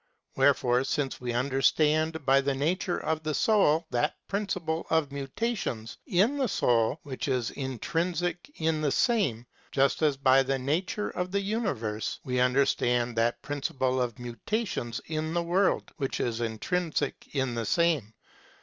Wherefore since we understand by the nature of the soul that principle of mutations in the soul which is intrinsic in the same, just as by the nature of the universe we understand that principle of mutations in the world which is intrinsic in the same (§ 503, Cosmol.)